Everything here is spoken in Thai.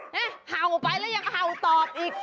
เห่าไปแล้วยังเห่าตอบอีก